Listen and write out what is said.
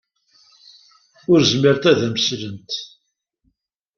Ur zmirent ad am-slent.